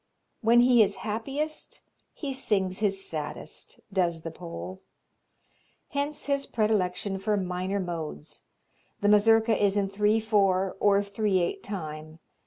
When he is happiest he sings his saddest, does the Pole. Hence his predilection for minor modes. The Mazurka is in three four or three eight time.